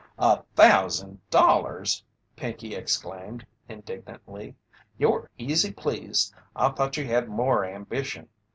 "A thousand dollars!" Pinkey exclaimed, indignantly. "You're easy pleased I thought you had more ambition.